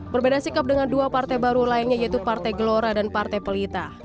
berbeda sikap dengan dua partai baru lainnya yaitu partai gelora dan partai pelita